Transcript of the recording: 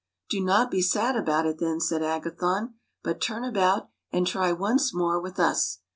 " Do not be sad about it, then," said Agathon,. " but turn about and try once more with us.